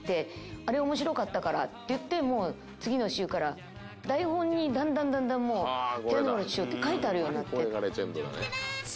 あれ面白かったからっていってもう次の週から台本にだんだんだんだんもう「てやんでぇバーローチクショウ」って書いてあるようになって。